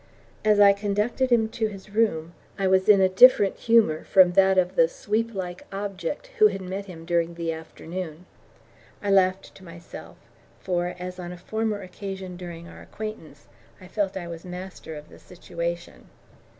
As I conducted him to his room I was in a different humour from that of the sweep like object who had met him during the afternoon. I laughed to myself, for, as on a former occasion during our acquaintance, I felt I was master of the situation.